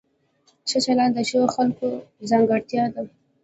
ښه چلند د ښو خلکو ځانګړتیا ده.